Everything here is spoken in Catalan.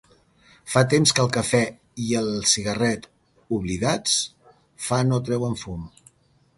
Fa temps que el cafè i el cigarret, oblidats, fa no treuen fum.